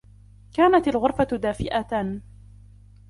كانت الغرفة دافئة.